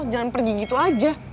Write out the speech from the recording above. jangan pergi gitu aja